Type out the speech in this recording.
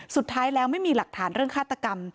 สุดท้ายแล้วไม่มีหลักฐานเรื่องฆาตกรรม